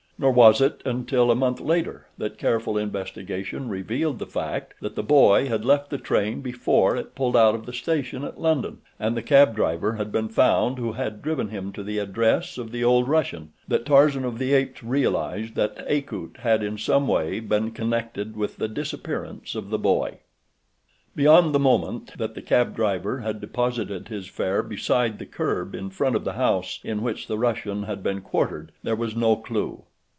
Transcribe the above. Nor was it until a month later that careful investigation revealed the fact that the boy had left the train before it pulled out of the station at London, and the cab driver had been found who had driven him to the address of the old Russian, that Tarzan of the Apes realized that Akut had in some way been connected with the disappearance of the boy. Beyond the moment that the cab driver had deposited his fare beside the curb in front of the house in which the Russian had been quartered there was no clue.